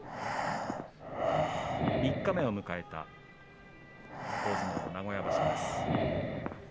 三日目を迎えた大相撲の名古屋場所です。